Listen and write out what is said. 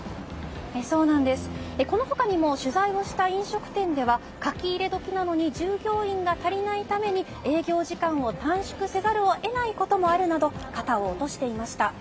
この他にも取材をした飲食店では書き入れ時なのに従業員が足りないために営業時間を短縮せざるを得ないこともあるなど肩を落としていました。